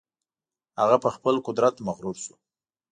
هغه په خپل قدرت مغرور شو.